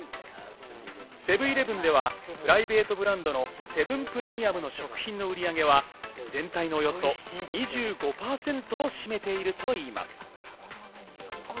セブンイレブンではプライベートブランドの「セブンプレミアム」の食品の売り上げは全体のおよそ２５％を占めているといいます。